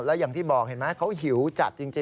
เห็นแม่เขาหิวจัดจริง